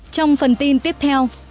trong phần tin tiếp theo